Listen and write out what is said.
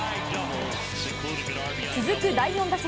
続く第４打席。